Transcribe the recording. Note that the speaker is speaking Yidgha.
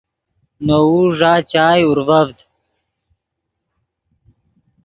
نے وؤ ݱا چائے اورڤڤد